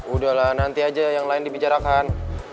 udah lah nanti aja yang lain dibicarakan